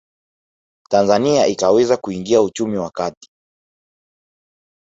Tanzania ikaweza kuingia uchumi wa kati